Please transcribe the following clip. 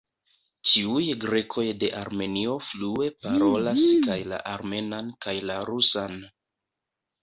Ĉiuj grekoj de Armenio flue parolas kaj la armenan kaj la rusan.